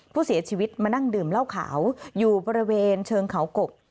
ผู้เสียชีวิตมานั่งดื่มเหล้าขาวอยู่บริเวณเชิงเขากก